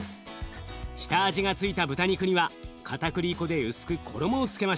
下味が付いた豚肉にはかたくり粉で薄く衣をつけましょう。